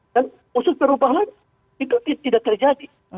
dan usul perubahan itu tidak terjadi